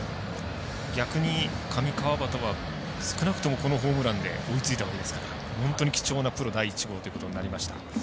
逆に上川畑は少なくともこのホームランで追いついたわけですから本当に貴重なプロ第１号となりました。